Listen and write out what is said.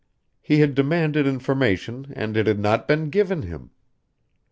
He had demanded information and it had not been given him.